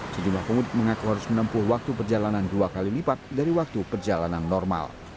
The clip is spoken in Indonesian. sejumlah pemudik mengaku harus menempuh waktu perjalanan dua kali lipat dari waktu perjalanan normal